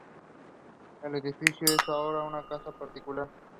El edificio es ahora una casa particular.